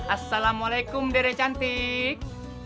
assalamualaikum dere cantik